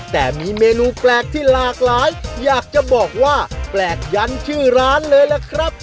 แต่มีเมนูแปลกที่หลากหลายอยากจะบอกว่าแปลกยันชื่อร้านเลยล่ะครับ